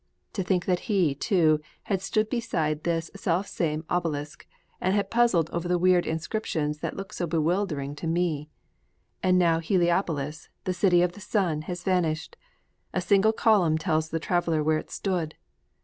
To think that he, too, had stood beside this self same obelisk and had puzzled over the weird inscriptions that looked so bewildering to me! And now Heliopolis, the City of the Sun, has vanished! A single column tells the traveler where it stood!